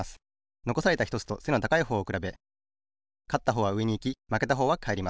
のこされたひとつと背の高いほうをくらべかったほうはうえにいきまけたほうはかえります。